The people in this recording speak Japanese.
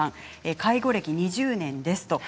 介護歴２０年です。